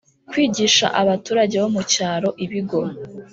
Kwigisha abaturage bo mu cyaro ibigo